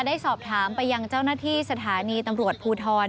ได้สอบถามไปยังเจ้าหน้าที่สถานีตำรวจภูทร